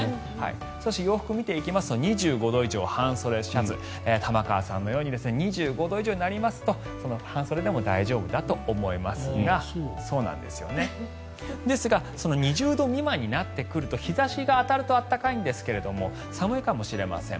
そして洋服を見ていきますと２５度以上、半袖シャツ玉川さんのように２５度以上になりますと半袖でも大丈夫だと思いますがですが２０度未満になってくると日差しが当たると暖かいんですけど寒いかもしれません。